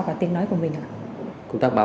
và tiếng nói của mình ạ